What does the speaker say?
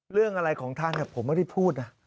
เรื่องอะไรของท่านผมไม่ได้พูดนะ